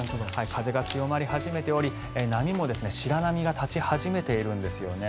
風が強まり始めており波も白波が立ち始めているんですよね。